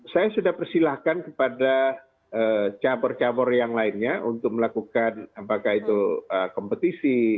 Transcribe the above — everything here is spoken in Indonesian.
saya sudah persilahkan kepada cabur cabur yang lainnya untuk melakukan apakah itu kompetisi